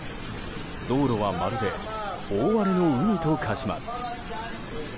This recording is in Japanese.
道路はまるで大荒れの海と化します。